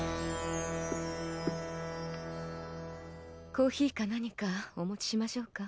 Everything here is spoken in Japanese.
コーヒーか何かお持ちしましょうか？